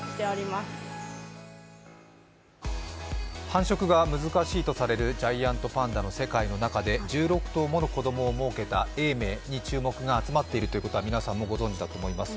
繁殖が難しいとされるジャイアントパンダの世界の中で１６頭もの子供をもうけた永明に注目が集まっているのは皆さんもご存じだと思います。